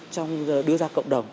trong đưa ra cộng đồng